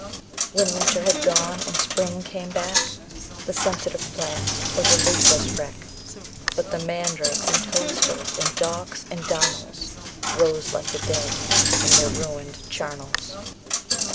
When Winter had gone and Spring came back _110 The Sensitive Plant was a leafless wreck; But the mandrakes, and toadstools, and docks, and darnels, Rose like the dead from their ruined charnels.